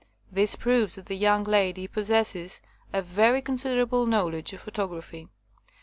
This proves that the young lady i^ossesses a very considerable knowledge of photography.